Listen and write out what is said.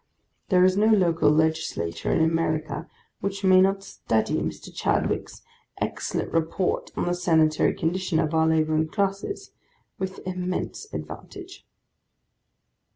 There is no local Legislature in America which may not study Mr. Chadwick's excellent Report upon the Sanitary Condition of our Labouring Classes, with immense advantage.